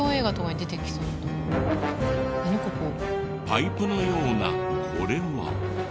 パイプのようなこれは？